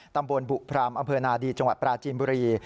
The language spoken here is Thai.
ตำบลบุพรามอำเภอนาดีจังหวัดปราจีนบุรี